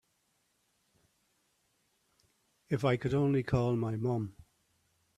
If I only could call my mom.